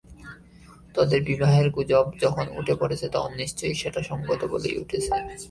তোদের বিবাহের গুজব যখন উঠে পড়েছে তখন নিশ্চয়ই সেটা সংগত বলেই উঠেছে।